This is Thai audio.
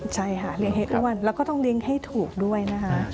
ใช่ค่ะเลี้ยงให้อ้วนแล้วก็ต้องเลี้ยงให้ถูกด้วยนะคะ